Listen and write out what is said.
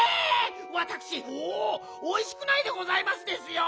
わたくしおおいしくないでございますですよ！